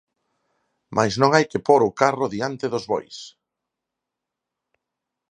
Mais non hai que pór o carro diante dos bois.